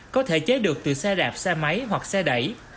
có thể chế được từ xe đạp xe máy hoặc xe đẩy